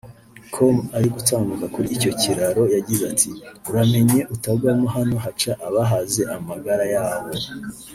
com ari gutambuka kuri icyo kiraro yagize ati “uramenye utagwamo hano haca abahaze amagara yabo